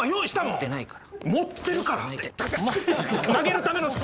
持ってないから。